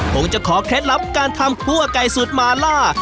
คงจะขอเคล็ดลับการทำคั่วไก่สูตรมาล่า